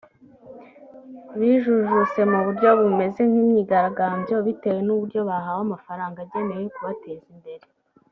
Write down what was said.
bijujuse mu buryo bumeze nk’imyigaragambyo bitewe n’uburyo bahawe amafaranga agenewe kubateza imbere